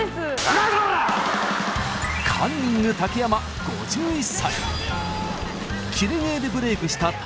カンニング竹山５１歳。